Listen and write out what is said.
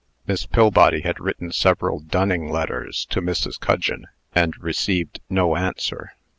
Miss Pillbody had written several dunning letters to Mrs. Cudgeon, and received no answer.